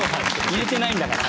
入れてないんだから。